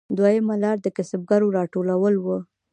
دویمه لار د کسبګرو راټولول وو